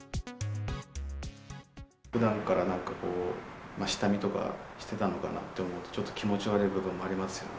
ふだんから下見とか、してたのかなって思うと、ちょっと気持ち悪い部分がありますよね。